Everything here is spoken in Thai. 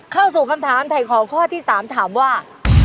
เข้าสู่คำถามถ่ายของข้อที่๓ถามว่า